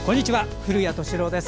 古谷敏郎です。